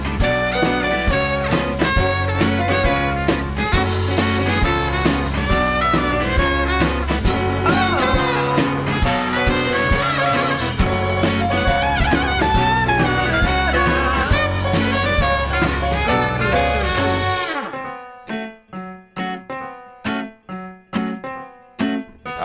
สวัสดีครับ